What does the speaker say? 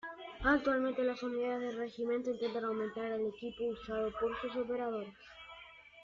Actualmente las unidades del Regimiento intentan aumentar el equipo usado por sus operadores.